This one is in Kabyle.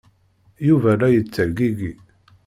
Yuba la yettergigi.